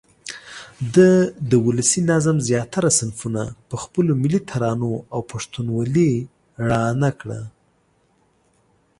ده د ولسي نظم زیاتره صنفونه په خپلو ملي ترانو او پښتونوالې راڼه کړه.